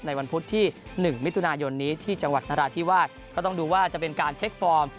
วันพุธที่๑มิถุนายนนี้ที่จังหวัดนราธิวาสก็ต้องดูว่าจะเป็นการเช็คฟอร์ม